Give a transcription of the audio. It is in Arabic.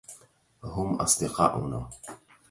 هم أصدقاؤنا.